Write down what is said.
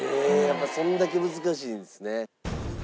やっぱそんだけ難しいんですね。